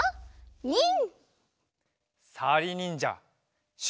ニン！